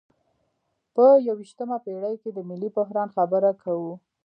په یویشتمه پیړۍ کې د ملي بحران خبره کوو.